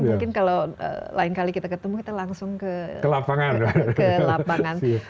mungkin kalau lain kali kita ketemu kita langsung ke lapangan